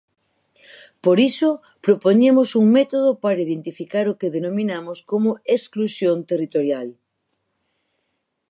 Por iso, propoñemos un método para identificar o que denominamos como exclusión territorial.